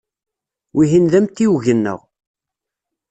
Wihin d amtiweg-nneɣ.